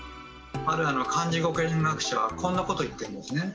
ある漢字語源学者はこんなことを言ってるんですね。